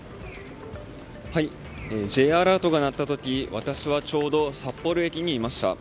Ｊアラートが鳴った時私はちょうど札幌駅にいました。